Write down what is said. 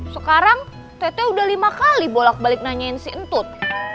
sekarang tete udah lima kali bolak balik nanyain si entut